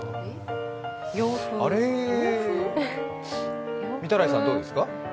あれー、御手洗さんどうですか？